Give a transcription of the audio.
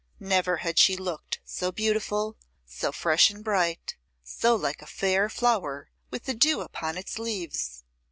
Never had she looked so beautiful, so fresh and bright, so like a fair flower with the dew upon its leaves.